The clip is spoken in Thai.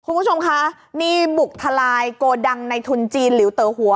คุณผู้ชมคะนี่บุกทลายโกดังในทุนจีนหลิวเต๋อหัว